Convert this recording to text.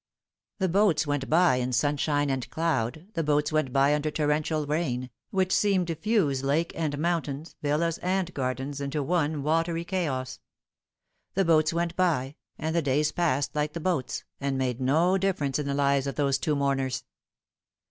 The boats went by in sunshine and cloud, the boats went by under torrential rain, which seemed to fuse lake and mountains, villas and gardens, into one watery chaos ; the boats went by, and the days passed like the boats, and made no difference in the lives of those two mourners.